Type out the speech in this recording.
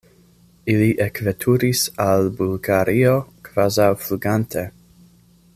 Ili ekveturis al Bulgario kvazaŭ flugante.